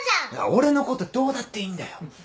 俺のことはどうだっていいんだよ。